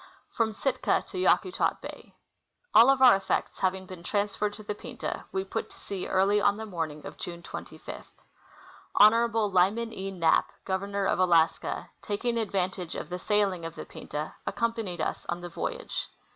From Sitka to Yakutat Bay. All of our effects having been transferred to the Pinta, we put to sea early on the morning of June 25. Honorable Lyman E. Knapp, Governor of Alaska, taking advantage of the sailing, of the Pinta, accompanied us on the voyage.